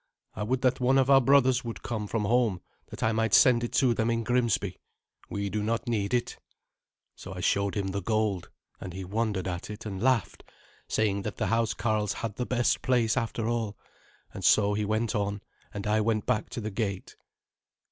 I would that one of our brothers would come from home that I might send it to them in Grimsby. We do not need it." So I showed him the gold, and he wondered at it, and laughed, saying that the housecarls had the best place after all. And so he went on, and I back to the gate.